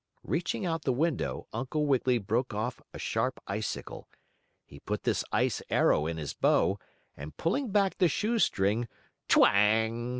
Reaching out the window Uncle Wiggily broke off a sharp icicle. He put this ice arrow in his bow and, pulling back the shoe string, "twang!"